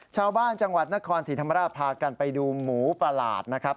จังหวัดนครศรีธรรมราชพากันไปดูหมูประหลาดนะครับ